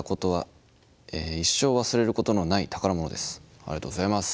ありがとうございます。